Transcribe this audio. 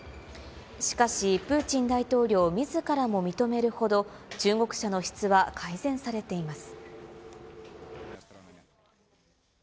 しかし、プーチン大統領みずからも認めるほど、中国車の質は改善されています。